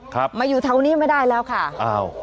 ครับมาอยู่แถวนี้ไม่ได้แล้วค่ะอ้าว